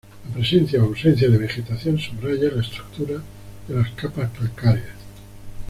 La presencia o ausencia de vegetación subraya la estructura de las capas calcáreas.